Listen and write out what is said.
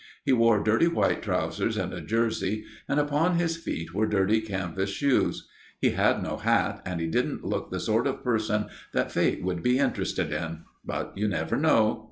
He wore dirty white trousers and a jersey, and upon his feet were dirty canvas shoes. He had no hat, and he didn't look the sort of person that Fate would be interested in. But you never know.